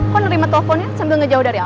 kok nerima telfonnya sambil ngejauh dari aku